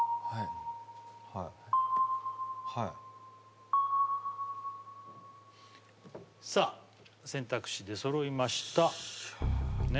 はいはいさあ選択肢出そろいました